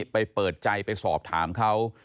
ไปเปิดใจไปสอบถามเขา